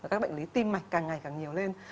các bệnh lý tim mạch càng ngày càng nhiều lên